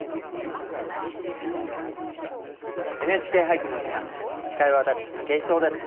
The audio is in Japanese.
「ＮＨＫ俳句」のお時間です。